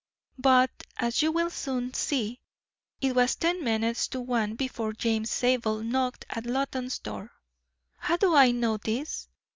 But, as you will soon see, it was ten minutes to one before James Zabel knocked at Loton's door. How do I know this?